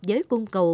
với cung cầu